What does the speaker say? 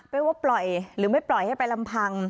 ไม่ว่าปล่อยหรือไม่ปล่อยให้ไปลำพัง